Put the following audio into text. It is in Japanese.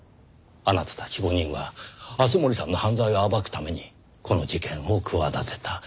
あなたたち５人は敦盛さんの犯罪を暴くためにこの事件を企てた。